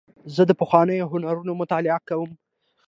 زه د پخوانیو هنرونو مطالعه کوم.